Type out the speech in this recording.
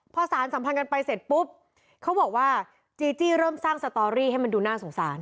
พอสารสัมพันธ์กันไปเสร็จปุ๊บเขาบอกว่าจีจี้เริ่มสร้างสตอรี่ให้มันดูน่าสงสาร